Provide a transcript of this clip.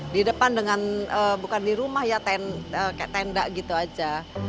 di depan dengan bukan di rumah ya kayak tenda gitu aja